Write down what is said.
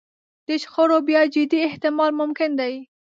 د شخړو بیا جدي احتمال ممکن دی.